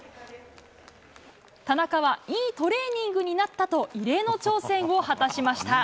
田中は、いいトレーニングになったと、異例の挑戦を果たしました。